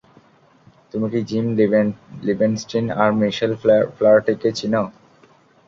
তুমি কি Jim Livenstein আর মিশেল ফ্ল্যারটিকে চেনো?